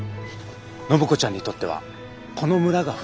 暢子ちゃんにとってはこの村がふるさと。